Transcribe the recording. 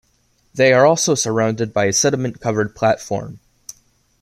They are also surrounded by a sediment-covered platform.